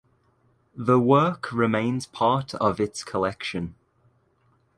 The work remains part of its collection.